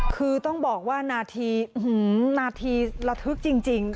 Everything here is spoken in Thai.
คือต้องบอกว่านาทีนาทีระทึกจริง